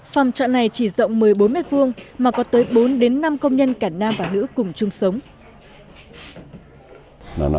phòng trọ này chỉ rộng một mươi bốn m hai mà có tới bốn năm công nhân cả nam và nữ cùng chung sống